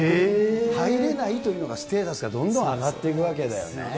入れないというのがステータスがどんどん上がっていくわけだよね。